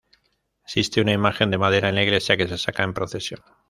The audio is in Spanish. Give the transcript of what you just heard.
Existe una imagen de madera en la iglesia que se saca en procesión.